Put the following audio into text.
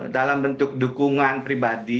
dalam bentuk dukungan pribadi